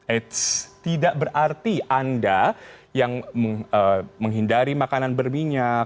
eits tidak berarti anda yang menghindari makanan berminyak